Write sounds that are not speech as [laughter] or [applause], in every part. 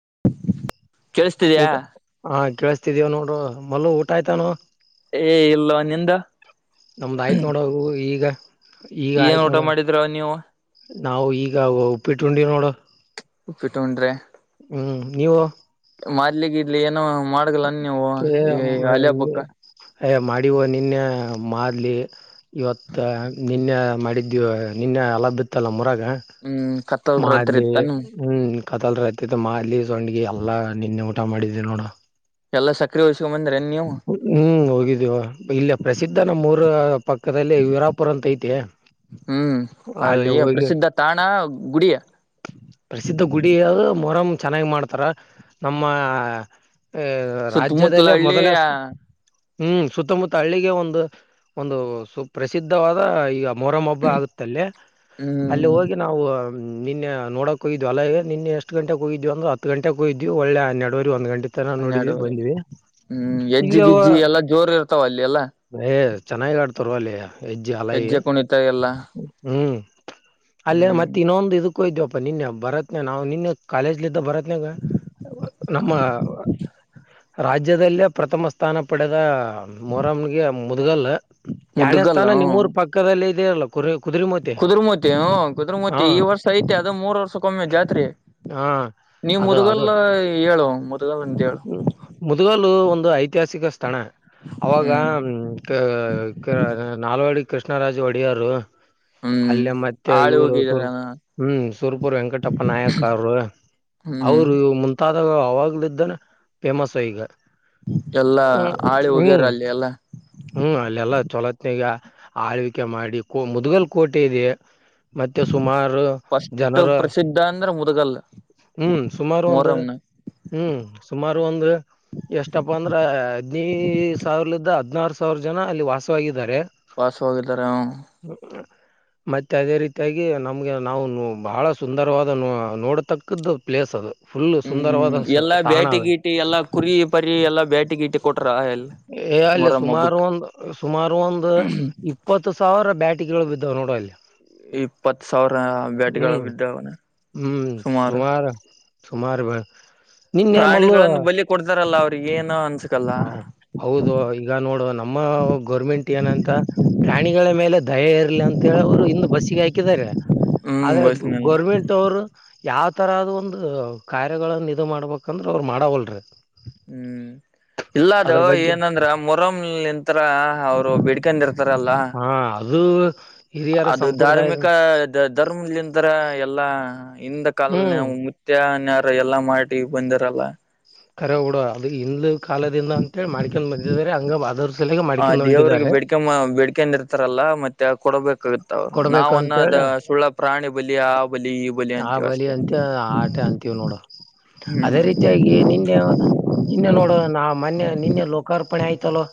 [inaudible] ಕೇಳಿಸ್ತಿದ್ಯಾ ಊಟ ಹಾ ಕೇಳುಸ್ತಿದಿಯ ನೋಡು ಮೊಲ್ಲು ಊಟ ಆಯ್ತಾನೊ ಏ ಇಲ್ಲೊ ನಿಂದು ನಮ್ದ್ ಆಯ್ತ್ ನೋಡು ಈಗ ಈಗ ಏನ್ ಆಯ್ತ್ ಊಟ ನೋಡು ಮಾಡಿದ್ರ ನೀವು ನಾವು ಈಗ ಉಪ್ಪಿಟ್ಟು ಉಂಡಿವ್ ನೋಡು. ಉಪ್ಪಿಟು ಉಂಡರ ಹ್ಮ್ ನೀವು ಮಾರ್ಲಿ ಗಿಡ್ಲಿ ಏನೋ ಮಾಡಗಲನ್ ನೀವು ಈ ಆಲಿ ಹಬ್ಬಕ್ಕ ಅಯ್ಯ ಮಾಡಿವೊ ನಿನ್ನೆ ಮಾಡ್ಲಿ ಇವತ್ತು ನಿನ್ನೆ ಮಾಡಿದ್ದೀವು ನಿನ್ ಎಲ್ಲ ಬಿತ್ತಲ್ಲ ಮೊರ ಹ್ಮ್ ಕತ್ತಲ್ ರಾತ್ರಿ ಮಾಡ್ಲಿ ಇತ್ತಾನ ಹ್ಮ್ ಕತ್ತಲ್ತಿತೆ ಮಾಡ್ಲಿ ಸಡ್ಗಿ ಎಲ್ಲಾ ನಿನ್ನೆ ಊಟ ಮಾಡಿದ್ದು ನೋಡು ಎಲ್ಲ ಸಕ್ರೆ ವಯ್ಸೊಂಡ್ ಬಂದ್ರೆ ಹ್ಮ್ ಹೋಗಿದ್ದೀವ ಇಲ್ಲ ಪ್ರಸಿದ್ಧ ನಮ್ಮೂರ ಪಕ್ಕದಲ್ಲಿ ವೀರಾಪುರ್ ಅಂತ ಐತಿ. [inaudible] ಹ್ಮ್ ಅಲ್ಲಿ ಈ ಹೋಗಿ ಪ್ರಸಿದ್ಧ ತಾಣ ಗುಡಿ ಪ್ರಸಿದ್ಧ ಗುಡಿ ಯದು ಮೊರಂ ಚೆನ್ನಾಗಿ ಮಾಡ್ತಾರ ನಮ್ಮ ಅ ಸುತ್ತ್ ಮುತ್ಲು ರಾಜ್ಯದಲ್ಲೇ ಹಳ್ಳಿ ಮೊದಲ ಹ್ಮ್ ಸುತ್ತಮುತ್ತ ಹಳ್ಳಿಗೆ ಒಂದು ಒಂದು ಸು ಪ್ರಸಿದ್ಧವಾದ ಈಗ ಮೊರಮ್ ಹಬ್ಬ ಆಗುತ್ತಲ್ಲಿ ಅಲ್ಲಿ ಹ್ಮ್ ಹೋಗಿ ನಾವು ನಿನ್ನೆ ನೋಡೋಕ್ ಹೋಗಿದ್ವಿ ಅಲ್ಲೇ ನಿನ್ನೆ ಎಷ್ಟು ಗಂಟೆಗೆ ಹೋಗಿದ್ವಿ ಅಂದ್ರ ಹತ್ತ್ ಗಂಟೆಗೆ ಹೋಗಿದ್ವಿ ಒಳ್ಳೆ ಹನ್ನೆರಡು ಒಂದ್ ಗಂಟೆಗೆ ಹನ್ನೆರಡುವರೆ ಹ್ಮ್ ಎಜ್ಜಿ ಇಲ್ಲಿ ಗಿಜ್ಜಿ ಎಲ್ಲಾ ಜೋರ್ ಇರ್ತಾವ ಅಲ್ಲಿ ಎಲ್ಲ. ಏ ಚೆನ್ನಾಗಿ ಆಡ್ತರ್ವಲ್ಲಿ ಹೆಜ್ಜಿ ಅಲಾಯಿ ಹೆಜ್ಜೆ ಕುಣಿತ ಎಲ್ಲಾ ಹ್ಮ್ ಅಲ್ಲೇ ಹ್ಮ್ ಮತ್ತ್ ಇನ್ನೊಂದು ಇದಕ್ಕೊಗಿದ್ವಪ್ಪ ನಿನ್ನೆ ಬರತ್ನ ನಾವು ನಿನ್ನೆ ಕಾಲೇಜ್ಲಿಂದ ಬರತ್ ನಮ್ಮ ರಾಜ್ಯದಲ್ಲೇ ಪ್ರಥಮ ಸ್ಥಾನ ಪಡೆದ ಮೋರಂಗೆ ಮುದ್ಗಲ್ ಎರಡನೇ ಮುದ್ಗಲ್ಲ ಸ್ಥಾನ ನಿಮ್ಮೂರ್ ಪಕ್ಕದಲ್ಲಿ ಇದಿಯಲ್ಲ ಕುರಿ ಕುದುರೆಮೂರ್ತಿ ಕುದುರ್ಮುತಿ ಹ ಹಾ ಕುದುರಮೂತಿ ಈ ವರ್ಷ ಐತೆ ಅದು ಮೂರ್ ವರ್ಷಕ್ಕೊಮ್ಮೆ ಜಾತ್ರೆ ಹಾ ನೀವು ಅದು ಮುದಗಲ್ ಅದು ಹೇಳು ಮುದಗಲ್ಂದ ಹೇಳು ಹ್ಮ್. ಮುದ್ಗಲ್ಲು ಒಂದು ಐತಿಹಾಸಿಕ ಸ್ಥಳ ಅವಾಗ ಹ್ಮ್ ನಾಲ್ವಡಿ ಕೃಷ್ಣರಾಜು ಒಡೆಯರು ಹ್ಮ್ ಅಲ್ಲೇ ಮತ್ತೆ ಆಳಿ ಇವರು ಸೂರ್ ಹೋಗಿದ್ರ ಹ್ಮ್ ಸೂರಪುರ್ ವೆಂಕಟಪ್ಪ ನಾಯಕ ಅವರು. ಹ್ಮ್ ಅವರು ಮುಂತಾದಾಗ ಅವಾಗ್ಲ್ ಇದ್ದಾನ ಫೇಮಸ್ ಈಗ ಎಲ್ಲಾ ಹ್ಮ್ ಆಳಿ ಹೋಗ್ಯರ ಹ್ಮ್ ಅಲ್ಲಿ ಎಲ್ಲ ಹ್ಮ್ ಅಲ್ಲೆಲ್ಲ ಚೊಲತ್ತನಾಗ ಆಳ್ವಿಕೆ ಮಾಡಿ ಮುದ್ಗಲ್ ಕೋಟೆ ಇದೆ ಮತ್ತೆ ಸುಮಾರು ಫಸ್ಟ್ ಜನರ ಪ್ರಸಿದ್ಧ ಅಂದ್ರ ಮುದಗಲ್ ಹ್ಮ್ ಸುಮಾರು ಒಂದು ಮೊಹರಂನ ಹ್ಮ್ ಸುಮಾರು ಒಂದು ಎಷ್ಟಪ್ಪ ಅಂದ್ರ ಹದ್ನಿ ಸಾವಿರಲಿಂದ ಹದ್ನಾರ ಸಾವಿರ ಜನ ಅಲ್ಲಿ ವಾಸವಾಗಿದ್ದಾರೆ. ವಾಸವಾಗಿದ್ದಾರ ಹ್ಮ್ ಮತ್ತೆ ಅದೇ ರೀತಿಯಾಗಿ ನಮ್ಗೆ ನಾವು ಬಹಳ ಸುಂದರವಾದ ನೊ ನೋಡತಕ್ಕ ಪಕ್ಕದ್ದ್ ಪ್ಲೇಸ್ ಅದು ಫುಲ್ ಸುಂದರವಾದ ಹ್ಮೂಮ್ ಎಲ್ಲಾ ತಾಣ ಬೇಟಿ ಅದು ಏ ಅಲ್ಲ ಮೊರಂ ಹಬ್ಬಕ್ ಸುಮಾರ್ವಂದು ಸುಮಾರ್ ಒಂದು ಇಪ್ಪತ್ತು ಸಾವಿರ ಬ್ಯಾಟ್ ಟ್ಟಿಗೆ ಬಿದ್ದವೆ ನೋಡಲ್ಲಿ ಇಪ್ಪತ್ಸಾವಿರ ಬ್ಯಾಟಿಗಳ ಬಿದ್ದವನ ದುಬಾರು ಸುಮಾರು ಬ ಪ್ರಾಣಿಗಳನ್ನು ಬಲಿ ಕೊಡ್ತಾರಲ್ಲ ಅವ್ರಿಗೆ ಏನು ಅನ್ಸ್ ಆ ಹೌದು ಈಗ ನೋಡು ನಮ್ಮ ಗೌರ್ಮೆಂಟ್ ಏನಂತ ಪ್ರಾಣಿಗಳ ಮೇಲೆ ದಯ ಇರ್ಲಿ ಅಂತೇಳಿ ಅವ್ರು ಹಿಂದ್ ಬಸ್ಸಿಗೆ ಹಾಕಿದ್ದಾರೆ ಹ್ಮ್ ಆದ್ರೆ ಬಸ್ನಲ್ಲ ಗೋರ್ಮೆಂಟ್ ಅವ್ರು ಯಾವ್ ತರದ್ ಒಂದು ಕಾರ್ಯಗಳನ್ನು ಇದು ಮಾಡ್ಬೇಕಂದ್ರು ಅವರು ಮಾಡವಲ್ರು ಹ್ಮು ಇಲ್ಲಾದು ಬಗ್ಗೆ ಏನಂದ್ರ ಮೊರಮಲಿಂತರ ಅವ್ರು ಬಿಡ್ಕೊಂಡಿರ್ತ್ ಇರಲ್ಲ ಅದೂ ಅದು ಧಾರ್ಮಿಕ ಧರ್ಮಲಿಂತ್ರ ಎಲ್ಲಾ ಹಿಂದ ಹ್ಮ್ ಕಾಲ್ನೆವು ಸತ್ಯನ್ಯಾರ ಎಲ್ಲಾ ಮಾಡಿ ಬಂದರೆಲ್ಲ ಕರೆ ಹುಡ ಅದು ಇಂದ್ಲು ಕಾಲದಿಂದ ಅಂತೇ ಮಾಡ್ಕಂದ್ ಬಂದಿದ್ದರೆ ಹಂಗೆ ಅದರ್ ಹ ದೇವ್ರಿಗೆ ಬೇಡಿಕಮ್ಮ ಬೇಡ್ಕಂಡಿರ್ತಲ್ಲ ಇರ್ತಾರಲ್ಲ ಮತ್ತೆ ಕೊಡ್ಬೇಕು ಸಿಗುತ್ತ ಅವರು ನಾವ್ ಕೊಡ್ಬೇಕಂತೇಳಿ ಅನ್ನೊದು ಸುಳ್ಳ ಪ್ರಾಣಿ ಬಲಿ ಆ ಬಲಿ ಈ ಬಲಿ ಆ ಅಂತೀವಿ ಅಷ್ಟೇ ಅಂತ ಆಟೆ ಅಂತೀವ್ ನೋಡು ಅದೇ ಹ್ಮ್ ರೀತಿಯಾಗಿ ನಿನ್ನೆ ನಿನ್ನೆ ನೋಡು ನ ಮೊನ್ನೆ ನಿನ್ನೆ ಲೋಕಾರ್ಪಣೆ ಆಯ್ತೊಲ್ಲೊ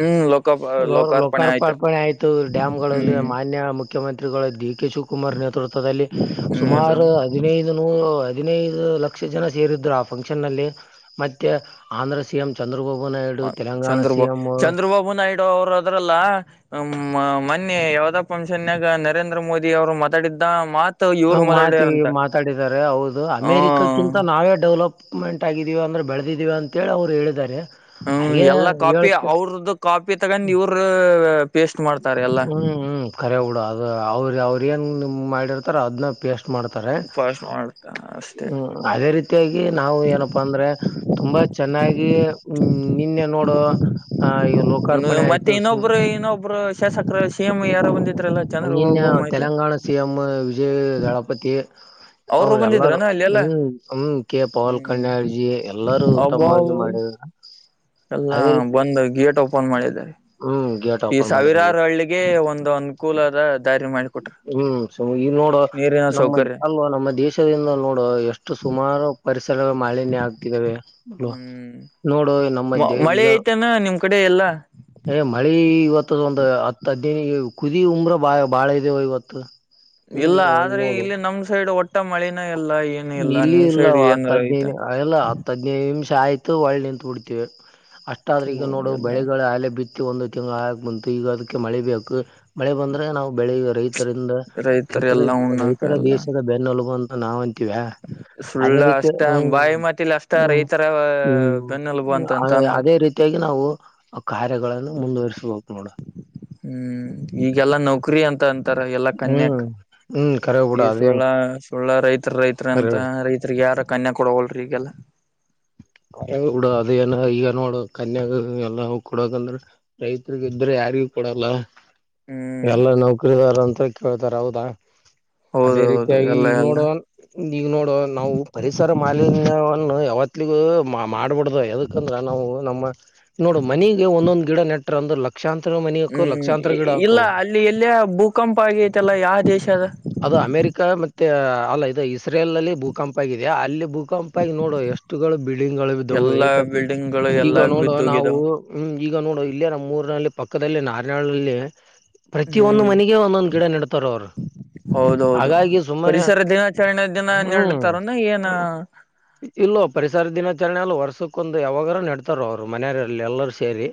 ಹ್ಮ್ ಲೋಕ ಲೋರ್ ಲೋಕಾರ್ಪಣೆ ಆಯ್ತು ಲೋಕಾರ್ಪಾರ್ಪಣೆ ಆಯ್ತು ಡ್ಯಾಮ್ಗಳಲ್ಲಿ ಹ್ಮ್ ಮಾನ್ಯ ಮುಖ್ಯಮಂತ್ರಿಗಳ ದಿಕ್ ಕೆ ಶಿವಕುಮಾರ್ ನೇತೃತ್ವದಲ್ಲಿ ಹ್ಮ್ ಸುಮಾರು ಹದಿನೈದು ನೂ ಹದಿನೈದು ಲಕ್ಷ ಜನ ಸೇರಿದ್ರು ಆ ಫಂಕ್ಷನ್ಲ್ಲಿ ಮತ್ತೆ ಆಂಧ್ರ ಸಿ ಎಂ ಚಂದ್ರ ಬಾ ಹ ಚಂದ್ರಬಾ ಚಂದ್ರಬಾಬು ನಾಯ್ಡು ಅವ್ರದ್ರಲ್ಲ. ಮೊನ್ನೆ ಯಾವದ ಪಷನ್ದಗ್ ನರೇಂದ್ರ ಮೋದಿ ಅವರು ಮಾತಾಡಿದ್ದ, ಮಾತ್ ಹ ಮಾತಿ ಮಾತಾಡಿದ್ದಾರೆ ಹೌದು ಹ ಅಮೇರಿಕಕ್ಕಿಂತ ನಾವೇ ಡೆವಲಪ್ ಕ್ಮೆಂಟ್ ಆಗಿದಿಹೋ ಅಂದ್ರರೆ ಬೆಳೆದಿದೀವಿ ಅಂತೇಳಿ ಅವರು ಹೇಳಿದ್ದಾರೆ. ಹ್ಮ್ ಹಾಗೆ ಎಲ್ಲಾ ಕಾಪಿ ಹೇಳುತ್ತೆ ಅವ್ರದ್ದ ಕಾಪಿ ತಗೊಂಡ್ ಇವ್ರ, ಹ್ಮ್ ಹ್ಮ್ ಖರೆ ಬುಡ ಅದ ಅವ್ರ ಅವ್ರ ಏನ್ ನಿಮ ಮಾಡಿರ್ತಾರ ಅದ್ನ್ನ ಪೇಸ್ಟ್ ಮಾಡ್ತಾರೆ. ಫಾಸ್ಟ್ ಮಾಡ್ತ ಅಷ್ಟೇ ಹ್ಮ್ ಅದೇ ರೀತಿಯಾಗಿ ನಾವು ಏನಪ್ಪಾ ಅಂದ್ರೆ, ತುಂಬಾ ಚೆನ್ನಾಗಿ ಹ್ಮ್ ನಿನ್ನೆ ನೋಡು, ಆ ಈಗ ಲೋಕಾರ್ಪಣೆ ಮತ್ತೆ ಆಯ್ತು ಸು ಇನ್ನೊಬ್ರು ಇನ್ನೊಬ್ರು ಶಾಸಕರು ಸಿಎಂ ಯಾರ ನಿನ್ಯ ತೆಲಂಗಾಣ ಸಿಎಂ ವಿಜಯ್ ದಳಪತಿ ಅವರು ಅವ್ರ ಎಲ್ಲಾರೂ ಬಂದಿದ್ರನ ಅಲ್ಲಿ ಎಲ್ಲ ಹ್ಮ್ ಹ್ಮ್ ಕೆ ಪವಲ್ ಹ್ಮ್ ಕನ್ಡ್ಜಿ ಎಲ್ಲಾರೂ ಉತ್ತಮವಾಗಿ ಮಾಡಿದರ ಹ ಎಲ್ಲ ಬಂದು ಗೇಟ್ ಓಪನ್ ಮಾಡಿದ್ದಾರೆ ಹ್ಮ್ ಗೇಟ್ ಈ ಓಪನ್ ಮಾಡಿದವು ಸಾವಿರಾರು ಹಳ್ಳಿಗೆ ಒಂದು ಅನುಕೂಲದ ದಾರಿ ಮಾಡಿಕೊಟ್ರ ಹ್ಮ್ ಸ ಈ ನೋಡೋ ನೀರಿನ ನಮ್ಮ ಸೌಕರ್ಯ ಅ ನಮ್ಮ ದೇಶದಿಂದ ನೋಡುವ ಎಷ್ಟು ಸುಮಾರು ಪರಿಸರಗಳು ಮಾಲಿನ್ಯ ಆಗ್ತಿದಾವೆ ಬ್ರೊ ಹ್ಮ್ ನೋಡು ನ ಮಧ್ಯೆ ಮಳೆ ಈಗ ಐತೆನ ನಿಮ್ ಕಡೆ ಎಲ್ಲಾ ಹೇ ಮಳಿ. ಇವತ್ತು ಒಂದು ಹತ್ತು ಹದಿನಿಗೆ ಕುದಿ ಉಮ್ರ ಬಾ ಬಾಳ ಇದೇವ ಇವತ್ತು ಇಲ್ಲ ಆದ್ರೆ ಇಲ್ಲಿ ನಮ್ ಸೈಡ್ ಒಟ್ಟೆ ನಿಲ್ಲಿ ಇಲ್ಲ ಹತ್ತು ಏನಾರ ಐತೆ ಹದನೈದು ಎಲ್ಲ ಹತ್ತು ಹದನೈದು ನಿಮಿಷ ಆಯ್ತು ಒಳೆ ನಿಂತು ಬಿಡಿತೀವೆ ಅಷ್ಟಾದ್ರ ಈಗ ನೋಡು ಎಲ್ಲ ಬೆಳೆಗಳು ಅಲೆ ಬಿತ್ತು ಒಂದು ತಿಂ ಹಾಕ್ ಬಂತು ಈಗ ಅದಕ್ಕೆ ಮಳೆ ಬೇಕು ಮಳೆ ಬಂದ್ರೆ ನಾವು ಬೆಳಿಗ್ ರೈತ ಇದರಿಂದ ರೈತರು ರೈತರ ಎಲ್ಲಾ ಉಣ್ಣಾಕ ರೈತರ ಎಲ್ಲ ದೇಶದ ಬೆನ್ನೊಲುಗು ಅಂತ ನಾವ್ ಅಂತಿವ್ಯ. ಅದೇ ಸುಳ್ಳ ರೀತಿ ಅಷ್ಟ ಹ್ಮ್ ಬಾಯಿ ಮಾತಿಲಿ ಅಷ್ಟ ಹ್ಮ ರೈತರ ಬೆನ್ನೆಲುಬು ಹ್ಮ ಅಂತ ಅಂತ ಅಂದ ಅದೇ ರೀತಿ ನಾವು ಕಾರ್ಯಗಳನ್ನು ಮುಂದುವಸಬಹುದು ಹ್ಮ್ ಈಗೆಲ್ಲಾ ನೌಕರಿ ಅಂತ ಅಂತಾರ ಎಲ್ಲಾ ಹ್ಮ್ ಕನ್ಯಕ್ ಹ್ಮ್ ಕರ ಕೂಡ ಅದ ಒಳ್ಳ ರೈತ್ರ ರೈತ್ರ ಅಂತ ರೈತ್ರಿಗೆ ಯಾರ ಕನ್ಯಾ ಕೊಡೋಗಲ್ರಿ ಈಗೆಲ್ಲ ಕರೆ ಆದ್ ಬಿಡೋ ಅದೇ ಏನ. ಈಗ ನೋಡ ಕನ್ಯಾಗ ಎಲ್ಲ ಕೊಡಕಂದ್ರ ರೈತರಿಗ ಇದ್ರೆ ಯಾರಿಗ ಕೊಡಲ್ಲ ಎಲ್ಲ ಹ್ಮ್ ನೌಕರಿದಾರ ಅಂತ ಕೇಳ್ತಾರ ಹೌದಾ ಹೌದು ಅದೇ ಹೌದು ರೀತಿಯಾಗಿ ಎಲ್ಲ ಈಗ ಎಲ್ಲ ನೋಡು ನೀ ಈಗ ನೋಡು ನಾವು ಪರಿಸರ ಮಾಲಿನ್ಯವನ್ನು ಯಾವತ್ತ ಮಾಡ್ಬಡ್ದ ಯದಕಂದ್ರ ನಾವು ನಮ್ಮ ನೋಡು ಮನಗೆ ಒಂದೊಂದು, ಗಿಡ ನೆಟ್ರ ಅಂದ್ರ ಲಕ್ ಹ್ಮ್ ಇಲ್ಲ ಅಲ್ಲಿ ಎಲ್ಲಿಯಾ ಭೂಕಂಪ ಆಗತೆಲ್ಲ ಯಾವ ದೇಶ, ಅದ ಅದು ಅಮೇರಿಕ ಮತ್ತೆ ಅಲ್ಲ ಇದು ಇಸ್ರೇಲ್ ನಲ್ಲಿ ಭೂಕಂಪ ಆಗಿದೆ ಅಲ್ಲಿೂ ಕಂಪಾಗಿ ನೋಡು ಎಷ್ಟುಗಳು ಬಿಲ್ಡಿಂಗ್ಗಳು ಬಿದ್ದವು. ಎಲ್ಲಾ ಬಿಲ್ಡಿಂಗ್ ಗಳು ಈಗ ಎಲ್ಲಾ ನೋಡೋ ನಾವು ಬಿದ್ದೋಗಿದಾವ ಹ್ಮ ಈಗ ನೋಡ ಇಲ್ಲೇ ನಮ್ಮ್ ಮೂರ್ನಲ್ಲಿ ಪಕ್ಕ ಪಕ್ಕದಲ್ಲಿ ನಾರಿನಳ್ಲ್ಲಿ ಪ್ರತಿ ಒಂದು ಹ್ಮ್ ಮನೆಗೆ ಒಂದೊಂದು ಗಿಡ ನೆಡ್ತಾರ ಅವರು. ಹೌದೌದು ಪರಿಸರ ದಿನಾಚರಣೆ ದಿನ ಹ್ಮ್ ನೇಡ್ತಾರ ಏನ ಇಲ್ಲೋ ಪರಿಸರ ದಿನಾಚರಣೆ ಅಲ್ಲ ವರ್ಷಕ್ಕೊಂದು ಯಾವಾಗರ ನೇಡ್ತಾರ ಅವ್ರು ಮನೆಯವಲ್ಲಿ ಎಲ್ಲರೂ ಸೇರಿ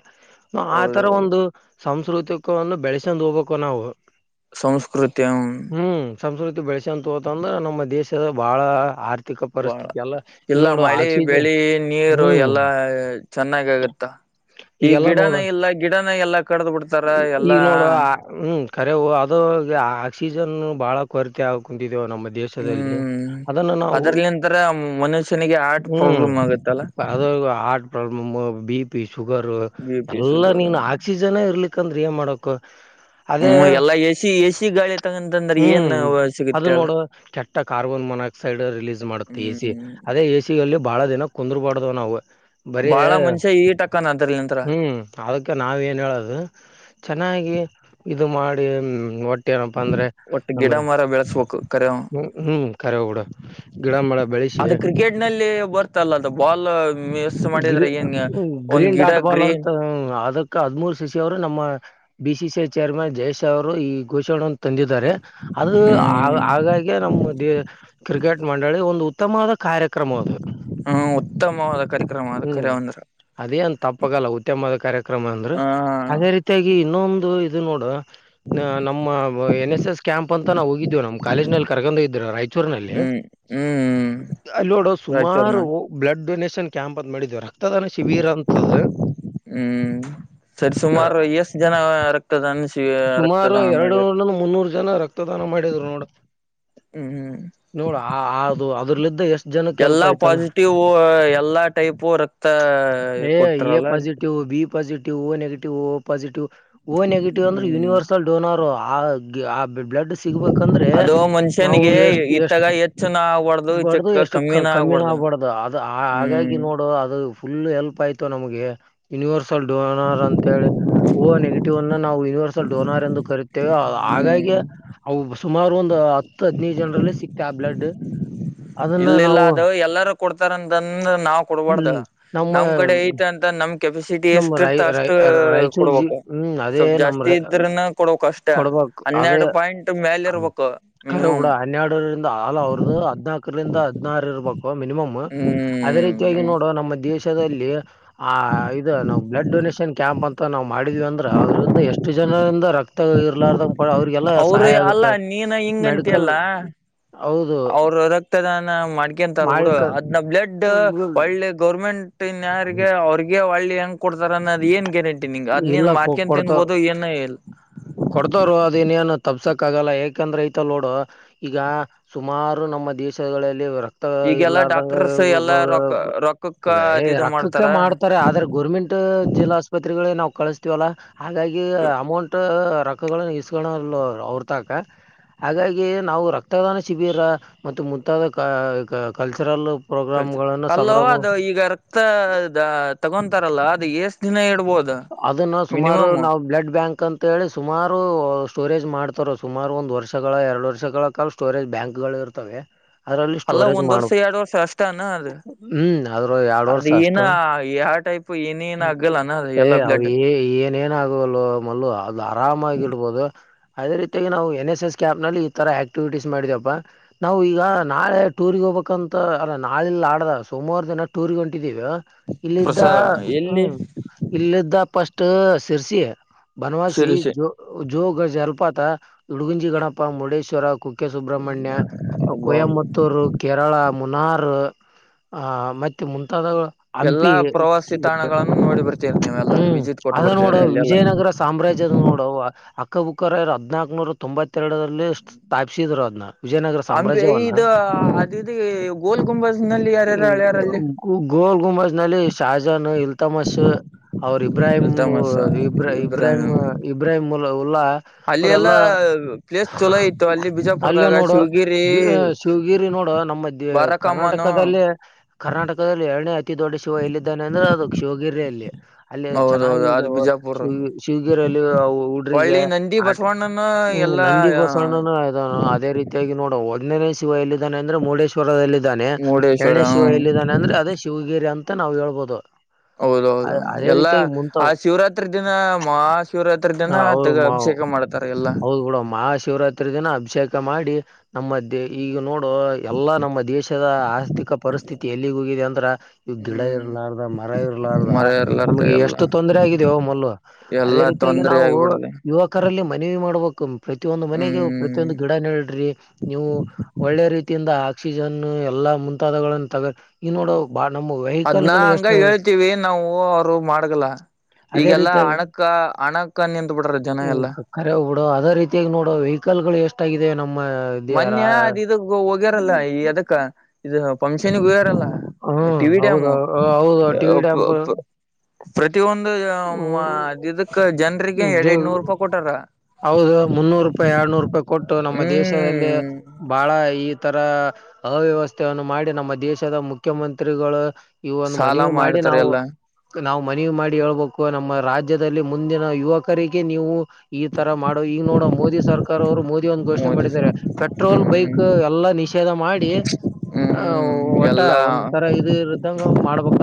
ಆತರ ಹೌದೌದು ಒಂದು ಸಂಸ್ಕೃತಿಕ ಒಂದು ಬೆಳಸೊಂಡ ಹೋಗ್ಬೇಕಕು ನಾವು ಸಂಸ್ಕೃತಿಯಂ, ಹ್ಮ್ ಸಂಸ್ಕೃತಿ ಬೆಳಸಒತ್ ಹೋತಂದ್ರ ನಮ್ಮ ದೇಶದ ಬಾಳ ಆರ್ ವಾ ಇಲ್ಲ ಮಳಿ, ಬೆಳಿ ನೀರು ಹ್ಮ್ ಎಲ್ಲಾ ಚೆನ್ನಾಗ ಆಗತ್ತಾ. ಈಗ್ ಈಗೆಲ್ಲಾ ನೋಡು ಗಿಡನ ಇಲ್ಲ ಗಿಡನ ಎಲ್ಲಾ ಕಡ್ದ್ ಬಿಡ್ತಾರ. ಎಲ್ಲಾ, ಖರೆ ಅದು ಆಕ್ಸಿಜನ್ ಬಹಳ ಕೊರತೆ ಆಗ ಕುಂತ ತ್ ನಮ್ಮ ದೇಶದಲ್ಲಿ ಹ್ಮ್ ಅದನ್ನು ನಾವು ಅದ್ರಲಿಂತರ ಮನುಷ್ಯನಿಗೆ ಹಾರ್ಟ್ ಹ್ಮುಮ್ ಪ್ರಾಬ್ಲಮ್ ಆಗತ್ತಲ್ಲ ಅದು ಹಠ್ ಪ್ಬ್ ಮುಮ್ಮ B P sugar B P ಎಲ್ಲಾ ನೀನ್ ಶುಗರ್ ಆಕ್ಸಿಜನ್ ಇರ್ಲಿಕ್ಕಂದ್ರೆ ಏನ್ ಮಾಡಬೇಕು ಹ್ಮು ಎಲ್ಲಾ ಎಸಿ ಎಸಿ ಗಾಳಿ ತಗಂತಂದ್ರ ಏನ್ ಹ್ಮ್ ಅದು ಸಿಗುತ್ತೆ ಹೇಳ ನೋಡು ಕೆಟ್ಟ ಕಾರ್ಬನ್ ಮೊನಕ್ಸೈಡ್ ರಿಲೀಸ್ ಮಾಡುತ್ತೆ ಎ ಸಿ ಹ್ಮ್ ಅದೇ ಎಸಿಯಲ್ಲಿ ಬಹಳ ದಿನ ಕುಂದ್ರಬಾರ್ದು ನಾವು ಬರೀ ಬಾಳ ಮನುಷ್ಯ ಈಟಕ್ಕನ ಅದ್ರಲಿಂತ್ರ ಹ್ಮು ಅದಕ್ಕೆ ನಾವ ಏನ್ ಹೇಳದು ಚೆನ್ನಾಗಿ ಗಿ ಇದು ಮಾಡಿ ಹೊಟ್ಟೆ ಎನಪ್ಪ ಅಂದ್ರೆ ಒಟ್ಟು ನಮ್ಮ ಗಿಡ ಮರ ಬೆಳೆಸ್ಬೇಕು ಕರೆವ ಹುಹ್ಮು ಕರೆ ಬುಡು ಗಿಡ ಮರ ಬೆಳಸಿ ಅದು ಕ್ರಿಕೆಟ್ ನಲ್ಲಿ ಬರ್ತಲ್ಲ ಅದು ಬಾಲ್ ಮಿಸ್ ಮಾಡಿದ್ರೆ ಏನ್ ಹ್ಮು ಒಂದ್ ಗ್ರೀನ್ ಗಿಡ ಡಾಟ್ ಬಾಲ್ ಗ್ರೀನ್ ಅಂತ ಅದಕ್ ಹದ್ಮೂರ್ ಸಿಕ್ಸು ಹೊಡುದ್ರೆ ನಮ್ಮ B C C chairman Jay Shah ಅವರು ಈ ಘೋಷಣೆನ್ನು ತಂದಿದ್ದಾರೆ ಅದು ಹ ಹ್ಮ್ ಹಾಗಾಗಿ ನಮ್ಮ ಡೆ ಕ್ರಿಕೆಟ್ ಮಂಡಳಿ ಒಂದು ಉತ್ತಮವಾದ ಕಾರ್ಯಕ್ರಮ ಅದು ಹ್ಮ ಉತ್ತಮವಾದ ಕಾರ್ಯಕ್ರಮ ಅದ ಕರೆಅಂದ್ರೆ ಅದೇನ್ ತಪ್ಪಾಗಲ್ಲ ಉತ್ತಮವಾದ ಕಾರ್ಯಕ್ರಮ ಅಂದ್ರು ಹ ಅದೇ ರೀತಿಯಾಗಿ ಇನ್ನೊಂದು ಇದು ನೋಡು ನಾನಮ್ಮ ಎನ್ ಎಸ್ ಎಸ್ ಕ್ಯಾಂಪ್ ಅಂತ ನಾವು ಹೋಗಿದ್ದೇವು ನಮ್ಮ್ ಕಾಲೇಜ್ ನಲ್ಲಿ ಕರ್ಕೊಂಡೋಗಿದ್ದರು ರಾಯಚೂರ್ನಲ್ಲಿ ಹ್ಮ್ ಹ್ಮ್ ಅಲ್ಲ್ ನೋಡು ರಾಯಚೂರ್ನ ಸುಮಾರು ಬ್ಲಡ್ ಡೊನೇೇಶನ್ ಕ್ಯಾಂಪ್ ಅಂತ್ ಮಾಡಿದವ್ರ ರಕ್ತದಾನ ಶಿಬಿರ ಅಂತದು ಹ್ಮ್ ಸರಿ ಸುಮಾರು ಎಷ್ಟ ಜನ ರಕ್ತದಾನ ಶಿಬ್ ಸುಮಾರು ಎರಡು ಮುನ್ನೂರು ಜನ ರಕ್ತದಾನ ಮಾಡಿದ್ರು ನೋಡು ಹ್ಮ್ ಹ್ಮ್ ಅದ್ರಲಿದ್ದ ಎಷ್ಟ್ ಜನಕ್ಕೆ ಹೆಲ್ಪ್ ಎಲ್ಲಾ ಆಯ್ತಂದ್ರ ಪಾಸಿಟಿವು ಎಲ್ಲಾ ಟೈಪು ರಕ್ತ ಹಾ ಕೊಟ್ರಲ್ಲ ಪಾಸಿಟಿವು ಓನೆಗಿಟಿವ್ ಓ ಪೊಸಿಟಿವ್ ಓನೆಗಿಟಿ ಹ್ಮ್ ಆ ಬ್ಲಡ್ ಸಿಗ್ಬೇಕಂದ್ರೆ ಅದು ನಾವು ಮನುಷ್ಯನಿಗೆ ಎಷ್ಟ್ ಎಷ್ಟ್ ಇತ್ತಾಗ ಹೆಚ್ಚುನ ಆಗ್ಬಾರ್ದು ಬಡ್ದು ಇಚಕ್ಕ ಎಷ್ಟು ಕ ಕಮ್ಮಿನ ಕಮ್ಮಿನೂ ಆಗ್ಬಾರ್ದು ಆಗ್ಬಾರಡ್ದು ಅದು ಹಾಗಾಗಿ ಹ್ಮ್ ನೋಡು ಅದು ಫುಲ್ ಹೆಲ್ಪ್ ಆಯತು ನಮಗೆ ಯೂನಿವರ್ಸಲ್ ಡೋನರ್ ಅಂತೇಳಿ ಓ ನೆಗೆಟಿವ್ ಅನ್ನ ನಾವು ಯೂನಿವರ್ಸಲ್ ಡೋನರ್ ಎಂದು ಕರುತ್ತೇವೆ ಹಾಗಾಗಿ ಹ್ಮ್ ಅವು ಸುಮಾರು ಒಂದು ಹತ್ತು ಹದನೈದು ಜನರಲ್ಲಿ ಸಿಕ್ ಆ ಬ್ಲೆಡ್ ಇಲ್ಲ ಇಲ್ಲ ಅದು ಎಲ್ಲಾರೂ ಕೊಡ್ತಾರಂದಂದ ನಾವ್ ಕೊಡ ಬಾರದ ಹ್ಮ್ ನಮ್ಮ ನಮ್ ಕಡೆ ಐತೆ ಅಂತ ನಮ ಕೆಪಾಸಿಟಿ ನಮ್ಮ ಎಷ್ಟ ರೈ ಇತ ಅಷ್ಟ ರೈ ರಾಯಚೂರ್ ಜಿ ಕೊಡಬೇಕು ಹ್ಮ್ ಅದೇ ಸ್ವಲ್ಪ್ ನಮ್ ಜಾಸ್ತಿ ಇದ್ರನ ಕೊಡ್ಬೇಕು ಅಷ್ಟ ಕೊಡ್ಬಕ್ ಅದೇ ಹನ್ನೆರಡು ಪಾಯಿಂಟ್ ಮೇಲೆ ಇರ್ಬೇಕು ಕರೆ ಮಿನಿಮಮ್ ಬಿಡ ಹದ್ನಾರ ಇರ್ಬೇಕು ಮಿನಿಮಮ್ ಅದೇ ರೀತಿಯಾಗಿ ಹ್ಮ್ ನೋಡುವ ನಮ್ಮ ದೇಶ ಕ್ತದಲ್ಲಿ ಆ ಇದು ನಾವು ಬ್ಲಡ್ ಡೊನೇಷನ್ ಕ್ಯಾಂಪ್ ಅಂತ ನಾವು ಮಾಡಿದ್ವಿ ಅಂದ್ರೆ ಅದ್ರಿಂದ ಎಷ್ಟು ಜನ ದ ರಕ್ತ ಇರಲಾರದ ಅವರು ಅಲ್ಲ ನೀನ ಹಿಂಗ ಮೆಡಿಕಲ್ ಅಂತಿಯಲ್ಲಾ ಹೌದು ಅವರು ರಕ್ತದಾನ ಮಾಡ್ಕೇಂತರಬಿಡು ಮಾಡಕ ಅದ್ನ ಬ್ಲಡ್ ಒಳ್ಳೆ ಗೌರ್ಮೆಂಟ್ನ್ ಯಾರಿಗೆ ಅವ್ರಿಗೆ ಹೋಳ್ಳಿ ಹ ಹೆಂಗ ಕೊಡ್ತಾರ ಅನ್ದ ಏನ್ ಗ್ಯಾರಂಟಿ ನಿಂಗ ಅದ್ ನೀನ್ ಇಲ್ಲ ಕೊ ಮಾಡ್ಕನ್ ಕೊಡ್ತವ ತಿನ್ಬೋದು ಏನ ಇಲ್ಲ ಕೊಡ್ತರ ಅದನ್ನ್ ತಪ್ಸೋಕ ಆಗಲ್ಲ ಯಾಕೆಂದ್ರೆ ಐತ ನೋಡು ಈಗ ಸುಮಾರು ನಮ್ಮ ದೇಶಗಳಲ್ಲಿ ಈಗೆಲ್ಲಾ ಇಲ್ಲಾರ್ದಂಗ ಡಾಕ್ಟರ್ಸ್ ಎಲ್ಲಾ ರೊಕ್ಕ ರೊಕ್ಕಕ್ಕ ಅದ ಇದು ರೋಕ್ಕಕ್ಕೆ ಮಾಡ್ತಾರ ಮಾಡ್ತಾರೆ ಆದ್ರೆ ಗೋರ್ಮೆಂಟ್ ಜಿಲ್ಲಾ ಆಸ್ಪತ್ರೆಗಳಿಗೆ ನಾವು ಕಳಸತೀವಲ್ಲಾ ಹಾಗಾಗಿ ಅಮೌಂಟ್ ರೋಕ್ ಳನ್ನು ಇಸ್ಕೊಳಲ್ಲ ಅವ್ರತಕ ಹಾಗಾಗಿ ನಾವು ರಕ್ತದಾನ ಶಿಬಿರ ಮತ್ತು ಮುಂತಾದ ಕಲ್ಚರಲ್ ಕಲ್ಚರ್ ಪ್ರೋಗ್ರಾಮ್ಗಳನ್ನು ಅಲ್ಲವೋ ಸಂಭ್ರಮ ಅದು ಈಗ ರಕ್ತದ ತಗೊ ರಲ್ಲ ಅದು ಎಸ ದಿನ ಇಡ್ಬಬಹುದು ಅಂತ ಅದನ್ನ ಸುಮಾರು ನಾವ ಬ್ಲಡ್ ಬ್ಯಾಂಕ್ ಅಂತ ಹೇಳಿ ಸುಮಾರು ಸ್ಟೋರೇಜ್ ಮಾಡ ಮಾಡ್ತಾರ ಸುಮಾರು ಒಂದ್ ವರ್ಷಗಳ ಎರಡು ವರ್ಷಗಳ ಕಾಲ ಸ್ಟೋರೇಜ್ ಬ್ಯಾಂಕ್ ಗಳು ಇರ್ತವೆ ಅದರಲ್ಲಿ ಅಲ್ಲ ಸ್ಟೋರೇಜ್ ಒಂದ್ ಮಾಡ ವರ್ಷ ಎರಡು ವರ್ಷ ಅಷ್ಟನ ಅದು ಹ್ಮ್ ಅದ್ರ ಎರಡು ಅದ ವರ್ಷ ಏನ ಅಷ್ಟು ಟೈಪು ಎನೆನ ನಾಗಲೆನ ಯ ಅ ಏನೇಏನ ಆಗುವುದಿಲ್ಲಯೋ ಮಲ್ಲು ಅದ ಆರಾಮಾಗಿ ಇಡ್ಬೋದು ಅದೇ ರೀತಿಯಾಗಿ ನಾವು ಎನ್ ಎಸ್ ಎಸ್ ಕ್ಯಾಪ್ ನಲ್ಲಿ ಈ ತರ ಆಕ್ಟಿವಿಟೀಸ್ ಮಾಡಿದವಪ್ಪ ನಾವು ಈಗ ನಾಳೆ ಟೂರ್ಗ ಹೋಗ ಬೇಕಂತ ಅ ನಾಳೆಲ್ಲದನಾಡ್ದ ಸೋಮವಾರ ದಿನ ಟೂರಗೇ ಹೋ ಇಟ್ಟಿದ್ದೀ ಇಲ್ಲಿದ್ದ ಪ್ರಸ ಎಲ್ಲಿ ಹ್ಮ್ ಇಲ್ಲಿದ್ದ ಪಸ್ಟ್ ಸಿರ್ಸಿ ಬನವಾಸಿ ಶಿರಸಿ ಜೋಗ ಜೋಗ ಜಲಪಾತ, ಹುಡುಗುಂಜಿ ಗಣಪ, ಮುರುಡೇಶ್ವರ, ಕು ಕೆ, ಸುಬ್ರಹ್ಮಣ್ಯ, ಅಬ್ಬಾ ಕೊಯಮುತ್ತೂರು, ಕೇರಳಾ, ಮುನಾರ್ ಆ ಮತ್ತೆ ಮುಂತಾದಗಳ ಎಲ್ಲಾ ಹಂಪಿ ಪ್ರವಾಸಿ ತಾಣಗಳನ್ನು ನೋಡಿ ಬರ್ತೀರಿ ನೀವೆಲ್ಲ ಹ್ಮ್ ವಿಸಿಟ್ ಕೊಟ್ಟು ಅದ ನೋಡ ಬರ್ತೀರಿ ಅಲ್ಲೆಲ್ಲ ವಿಜಯನಗರ ಸಾಮ್ರಾಜ್ಯದ ನೋಡವ ಅಕ್ಕ ಬುಕ್ಕರರು ಹದ್ನಾಕುನೂರ ತೊಂಬತ್ತೆರಡರ ಸ್ಥಾಪಿಸಿದ್ರು ಅದನ್ನ ವಿಜಯನಗರ ಹಂಪಿ ಸಾಮ್ರಾಜ್ಯವನ್ನ ಅದ ಇದ ಗೋಲ್ ಗುಂಬಜ್ ನಲ್ಲಿ ಈ ಯಾರ್ಯಾರ ಅಳ್ಯಾರಲ್ಲಿ ಗೋ- ಗೋಲ್ ಗುಮಜ್ ನಲ್ಲಿ ಶಹಜನ್ ಇಲ್ತ ಅವರು ಇಬ್ರಾಹಿಮ, ಇಲ್ತಮಸ ಇಬ್ರಾಹಿಮ, ಇಬ್ರಾಹಿಂ ಇಬ್ರಾಹಿಮ ಲ್ಲ ಅಲ್ಲಿ ಅವರೆಲ್ಲ ಎಲ್ಲಾ ಪ್ಲೇಸ್ ಚಲೋ ಇತ್ತು ಅಲ್ಲಿ ಅಲ್ಲಿಯ ಬಿಜಾಪುರದಾಗ ನೋಡೋ ಶಿವಗಿರಿ ಇದು ಶಿವ ಗಿರಿ ನೋಡ ನಮ್ಮ ದ ಬಾರಕಮ್ಮನು ಕರ್ನಾಟಕಲ್ಲೇ ಕರ್ನಾಟಕದಲ್ಲಿ ಎರಡನೇ ಅತಿ ದೊಡ್ಡ ಶಿವ ಎಲ್ಲಿದ್ದಾನೆ ಅಂದ್ರೆ ಅದ ಯೋಗಿರ್ರ ಅಲ್ಲಿ ಅಲ್ಲಿ ಹೌದೌದು ಅದು ಚೆನ್ನಾಗಿದ್ದವು ಬಿಜಾಪುರ್ ಶಿ ಶಿವಗಿರಲ್ಲಿ ಹುಡ್ರಿಗೆ ಹೊಳ್ಳಿ ನಂದಿ ಆಟ ಬಸವಣ್ಣನ ಹ್ಮ್ ಎಲ್ಲಾ ನಂದಿ ಬಸಣ್ಣನ ಅದೇ ರೀತಿಯಾಗಿ ನೋಡ ಒಂದನೇ ಶಿವ ಎಲ್ಲಿದ್ದಾನೆ ಅಂದ್ರೆ ಮುರುಡೇಶ್ವರದಲ್ಲಿದ್ದಾನೆ ಮುರುಡೇಶ್ವರ ಎರಡನೇ ಶಿವ ಎಲ್ಲಿದ್ದಾನೆ ಅಂದ್ರೆ ಅದೇ ಶಿವಗಿರಿ ಅಂತ. ಮತ್ತೆ ನಾವ್ ಹೇಳ್ಬೋದು ಹೌದ ಅ ಹೌದು ಅದೇ ಎಲ್ಲಾ ರೀತಿಯಾಗಿ ಆ ಮುಂತಾವ್ ಶಿವರಾತ್ರಿ ದಿನ ಮಹಾಶಿವರಾತ್ರಿ ದಿನ ತಗ ಅಭ ಅವು ಹೌದ್ ಬಿಡ ಮಹಾಶಿವರಾತ್ರಿ ದಿನ ಅಭಿಷೇಕ ಮಾಡಿ ನಮ್ಮ ದ ಈಗ ನೋಡು ಎಲ್ಲಾ ನಮ್ಮ ದೇಶದ ಆರ್ಥಿಕ ಪರಿಸ್ಥಿತಿ ಎಲ್ಲಿಗ ಹೋಗಿದೆ ಅಂದ್ರ ಇವ್ ದಿಳ ಹ್ಮ್ ಇರಲಾರ್ದ ರ ಇರಲಾರ್ದ ಮರೆಯರ್ಲಾರ್ದ ನಮಗೆ ಎಲ್ಲ ಎಷ್ಟು ತೊಂದರೆ ಆಗಿದೆಯವ ಮಲ್ಲು ಅದೇ ಎಲ್ಲಾ ರೀತಿಯಾಗಿ ತೊಂದ್ರೆ ನಾವು ಆಗ್ಬಿಡ್ಲಿ ಯ [unintelligible] ಮನೆ ಮಾಡ್ಬೇಕ ಪ್ರತಿಯೊಂದು ಮನೆಗೆ ಹ್ಮ್ ಪ್ರತಿಯೊಂದು ಗಿಡ ನೆಡ್ರಿ ನೀವು ಒಳ್ಳೆ ರೀತಿಯಿಂದ ಆಕ್ಸಿಜನ್ ಎಲ್ಲಾ ಮುಂತಾದವುಗಳನ್ನು ತಗೋ ಈಗ್ ನೋಡ ನಮ್ ವೆಹಿಕಲ್ ಅದ್ನ ಗಳು ಎಷ್ಟು ಹಂಗ ಹೇಳ್ತೀವಿ ನಾವು ಅವ್ರು ಮಾಡಗಲ್ಲ ಅದೇ ಈಗೆಲ್ಲಾ ರೀತಿಯಾಗಿ ಹಣಕ್ಕ ಹಣಕ್ಕ ನಿಂತ್ ಬಿಟ್ರ ಜನ ಎಲ್ಲ ಕರೆ ಅದೇ ರೀತಿಯ ನೋಡೊ ವೆಹಿಕಲ್ ಗಳು ಎಷ್ಟ್ ಆಗಿದೆ ಮೊನ್ಯ ಅದು ಇದ ಹೋಗ್ಯಾರಲ್ಲ ಈ ಎದಕ್ಕ ಇದು ಪಂಶನಿಗೂ ಲ್ಲ ಹ್ಮ್ ಟಿವಿ ಹೌದು ಡ್ಯಾಮು ಹೌದು ಟಿ ವಿ ಡ್ಯಾಮ್ ಪ್ರತಿಯೊಂದು ಒಂದು ಇದಕ್ ಜನ್ರಿಗೆ ಜ ಎರಡ್ಡ್ನೂರ್ ರೂಪಾಯಿ ಕೊಟಾರ ಹೌದು ಮುನ್ನೂರು ರೂಪಾಯಿ ಎರ್ಡ್ನೂರು ರೂಪಾಯಿ ಕೊಟ್ಟು ನಮ್ಮ ದೇಶದಲ್ಲಿ ಹ್ಮ್ ಬಹಳ ಈ ತರ ಅವ್ಯವಸ್ಥೆಯನ್ನು ಮಾಡಿ ನಮ್ಮ ದೇಶದ ಮುಖ್ಯಮಂತ್ರಿಗಳು ಇವ ಒಂದು ಮನಿ ಸಾಲ ಮಾಡಿ ಮಾಡ್ತಾರೆ ನಾವು ಎಲ್ಲ ನಾವು ಮನವಿ ಮಾಡಿ ಹೇಳ್ಬೇಕು ನಮ್ಮ ರಾಜ್ಯದಲ್ಲಿ ಮುಂದಿನ ಯುವಕರಿಗೆ ನೀವು ಈ ತರ ಮಾಡೋ ಈಗ ನೋಡ ಮೋದಿ ಸರ್ಕಾರ ಅವರು ಮೋದಿ ದಿ ಒಂದ್ ಘೋಷಣೆ ಮೋದಿ ಮಾಡಿದ್ದಾರೆ ಪೆಟ್ರೋಲ್ ಹ್ಮ್ ಬೈಕ್ ಎಲ್ಲಾ ನಿಷೇಧ ಮಾಡಿ ಅ ಹ್ಮ್ ಒಟ್ಟ ಎಲ್ಲಾ ಒಂದ್ ತರ ಇದ್ ಇರದಂಗ ಮಾಡ್ಬೇಕ